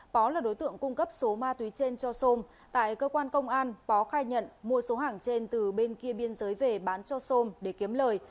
bó là đối tượng cung cấp số ma túy trên cho sôm tại cơ quan công an bó khai nhận mua số hàng trên từ bên kia biên giới về bán cho sôm để kiếm lời